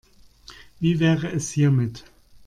Wie wäre es hiermit?